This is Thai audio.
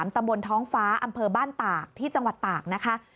ตำบลท้องฟ้าอำเภอบ้านตากที่จังหวัดตากนะคะ